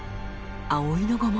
葵の御紋？